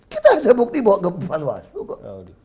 kita ada bukti bawa ke depan wastu kok